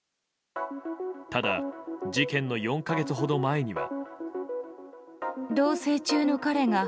ただ、事件の４か月ほど前には。